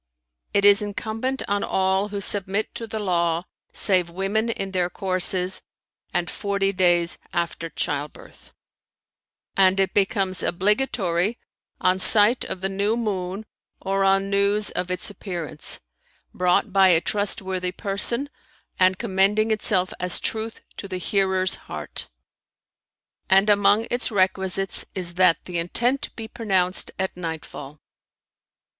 It is incumbent on all who submit to the Law, save women in their courses and forty days after childbirth; and it becomes obligatory on sight of the new moon or on news of its appearance, brought by a trustworthy person and commending itself as truth to the hearer's heart; and among its requisites is that the intent be pronounced at nightfall.